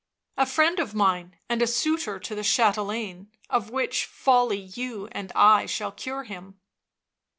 " A friend of mine and a suitor to the chatelaine — of which folly you and I shall cure him.